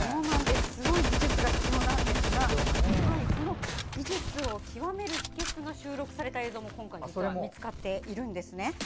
すごい技術が必要ですがその技術を極める秘けつが収録された映像も今回、実は見つかっているんです。